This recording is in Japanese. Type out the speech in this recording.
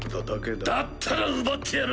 だったら奪ってやる！